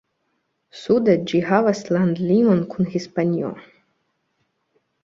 Sude ĝi havas landlimon kun Hispanio.